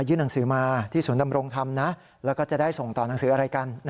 หนังสือมาที่ศูนย์ดำรงธรรมนะแล้วก็จะได้ส่งต่อหนังสืออะไรกัน